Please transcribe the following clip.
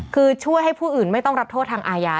คือช่วยให้ผู้อื่นไม่ต้องรับโทษทางอาญา